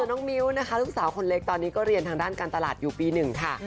น้องมิ้วนะคะลูกสาวคนเล็กตอนนี้ก็เรียนทางด้านการตลาดอยู่ปี๑ค่ะ